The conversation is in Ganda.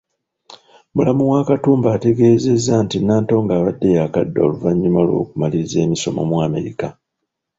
Mulamu wa Katumba ategeezezza nti Nantongo abadde yaakadda oluvannyuma lw’okumaliriza emisomo mu Amerika.